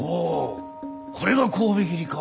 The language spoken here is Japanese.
これが神戸切りか。